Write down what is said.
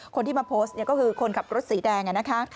คนที่มาโพสต์ก็คือคนขับรถสีแดงนะคะ